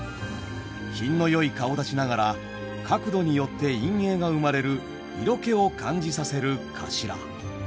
品のよい顔だちながら角度によって陰影が生まれる色気を感じさせる「かしら」。